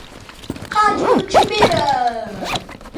Rádio Timbira